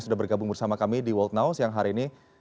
sudah bergabung bersama kami di world now siang hari ini